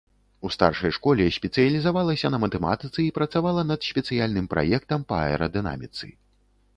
У старшай школе спецыялізавалася на матэматыцы і працавала над спецыяльным праектам па аэрадынаміцы.